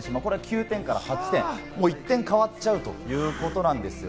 これ９点から８点、１点変わっちゃうということです。